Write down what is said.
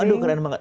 aduh keren banget